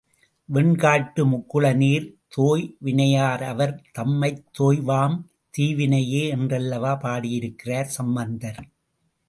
வெண்காட்டு முக்குள நீர் தோய் வினையார் அவர் தம்மைத் தோயாவாம் தீவினையே என்றல்லவா பாடியிருக்கிறார் சம்பந்தர்.